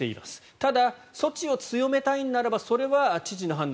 ただ措置を強めたいならそれは地方の判断